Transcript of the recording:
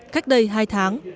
cách đây hai tháng